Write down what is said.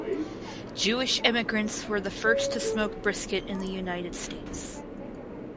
Jewish immigrants were the first to smoke brisket in the United States.